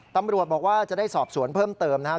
ตำรวจบอกว่าจะได้สอบสวนเพิ่มเติมนะครับ